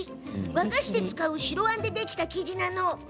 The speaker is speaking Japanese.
和菓子で使う白あんでできた生地なの。